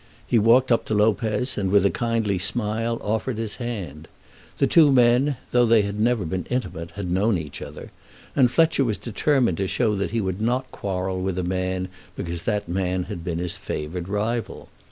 He walked up to Lopez, and with a kindly smile offered his hand. The two men, though they had never been intimate, had known each other, and Fletcher was determined to show that he would not quarrel with a man because that man had been his favoured rival.